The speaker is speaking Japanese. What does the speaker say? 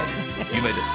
夢です。